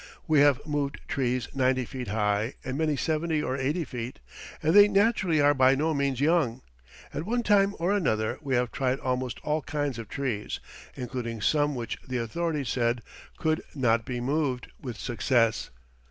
We have moved trees ninety feet high, and many seventy or eighty feet. And they naturally are by no means young. At one time or another we have tried almost all kinds of trees, including some which the authorities said could not be moved with success.